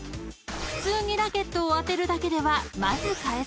［普通にラケットを当てるだけではまず返せない］